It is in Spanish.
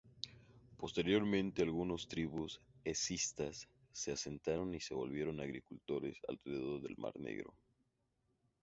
Posteriormente algunas tribus escitas se asentaron y se volvieron agricultores alrededor del Mar Negro.